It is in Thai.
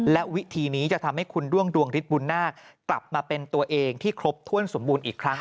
และวิธีนี้จะทำให้คุณด้วงดวงฤทธิบุญนาคกลับมาเป็นตัวเองที่ครบถ้วนสมบูรณ์อีกครั้ง